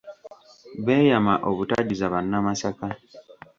Beeyama obutajuza bannamasaka.